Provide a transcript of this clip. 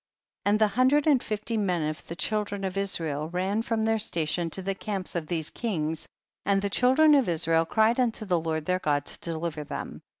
34. And the hundred and fifty men of the children of Israel ran from their station to the camps of these kings, and the children of Is rael cried unto the Lord their God to deliver them.